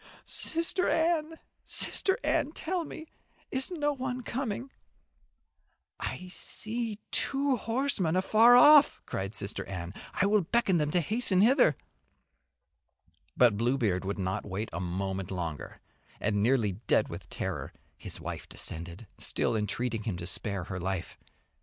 "Sister Anne, Sister Anne, tell me is no one coming?" "I see two horsemen afar off," cried Sister Anne. "I will beckon to them to hasten hither." But Bluebeard would wait not a moment longer, and nearly dead with terror his wife descended, still entreating him to spare her life.